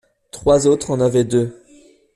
Trois autres en avaient deux.